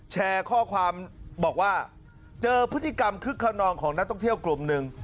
แชร์ข้อความบอกว่าเจอพฤติกรรมคึกขนองของนักท่องเที่ยวกลุ่มหนึ่ง